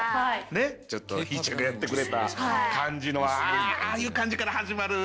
ちょっとひぃちゃんがやってくれた感じのああいう感じから始まるのがね。